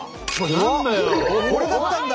これだったんだ！